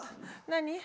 何？